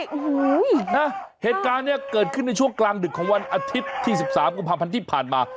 โอ้โหนะเหตุการณ์เนี่ยเกิดขึ้นในช่วงกลางดึกของวันอาทิตย์ที่๑๓กุมภาพันธ์ที่ผ่านมา